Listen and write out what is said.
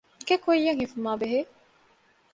ގެ ކުއްޔަށް ހިފުމާބެހޭ